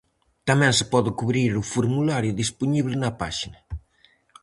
Tamén se pode cubrir o formulario dispoñible na páxina.